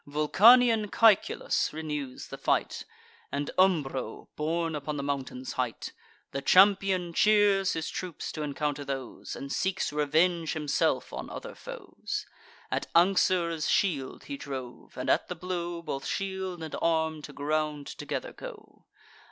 Vulcanian Caeculus renews the fight, And Umbro, born upon the mountains' height. The champion cheers his troops t' encounter those, And seeks revenge himself on other foes. At Anxur's shield he drove; and, at the blow, Both shield and arm to ground together go.